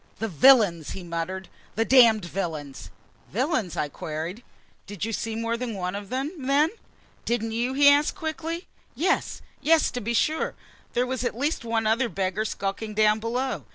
"The villains!" he muttered. "The damned villains!" "Villains?" I queried. "Did you see more than one of them, then?" "Didn't you?" he asked quickly. "Yes, yes, to be sure! There was at least one other beggar skulking down below."